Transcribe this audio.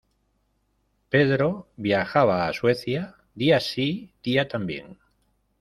Pedro viajaba a Suecia día sí, día también.